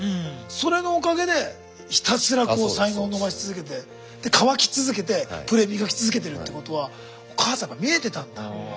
それのおかげでひたすら才能を伸ばし続けて渇き続けてプレーを磨き続けてるってことはお母さんやっぱ見えてたんだ。